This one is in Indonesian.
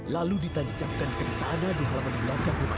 lalu ditancapkan ke tanah di halaman belakang buah